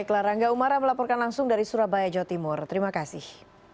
kita melaporkan langsung dari surabaya jawa timur terima kasih